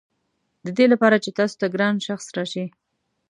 ددې لپاره چې تاسو ته ګران شخص راشي.